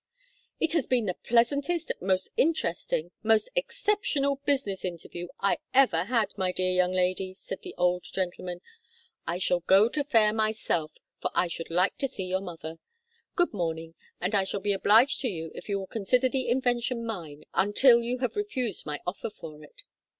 "It has been the pleasantest, most interesting, most exceptional business interview I ever had, my dear young lady," said the old gentleman. "I shall go to Fayre myself, for I should like to see your mother. Good morning, and I shall be obliged to you if you will consider the invention mine until you have refused my offer for it."